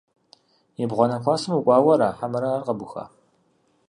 Ебгъуанэ классым укӏуауэра хьэмэрэ ар къэбуха?